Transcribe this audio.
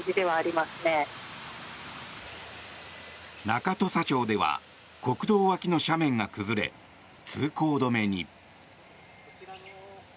中土佐町では国道脇の斜面が崩れ通行止めに。